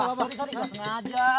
tadi gak sengaja